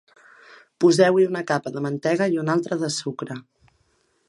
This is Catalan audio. Poseu-hi una capa de mantega i una altra de sucre.